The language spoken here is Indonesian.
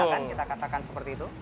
bisa kan kita katakan seperti itu